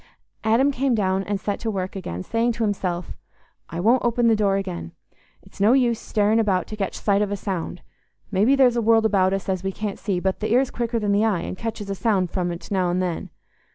Adam came down and set to work again, saying to himself, "I won't open the door again. It's no use staring about to catch sight of a sound. Maybe there's a world about us as we can't see, but th' ear's quicker than the eye and catches a sound from't now and then.